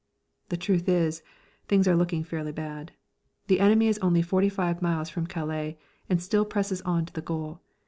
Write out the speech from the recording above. The truth is, things are looking fairly bad. The enemy is only forty five miles from Calais and still presses on to the goal.